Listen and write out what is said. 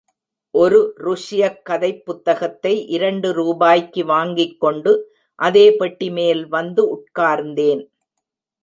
ஒரு ருஷியக் கதைப் புத்தகத்தை இரண்டு ரூபாய்க்கு வாங்கிக்கொண்டு அதே பெட்டிமேல் வந்து உட்கார்ந்தேன்.